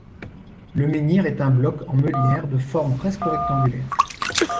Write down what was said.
Le menhir est un bloc en meulière de forme presque rectangulaire.